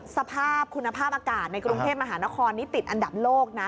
สภาพคุณภาพอากาศในกรุงเทพมหานครนี่ติดอันดับโลกนะ